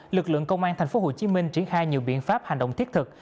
lực lượng công an tp hcm triển khai nhiều biện pháp hành động thiết thực